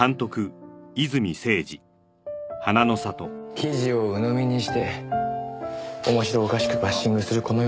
記事を鵜呑みにして面白おかしくバッシングするこの世の中。